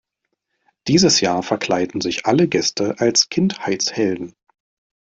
Dieses Jahr verkleiden sich alle Gäste als Kindheitshelden.